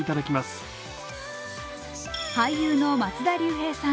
俳優の松田龍平さん